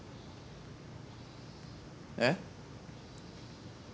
えっ？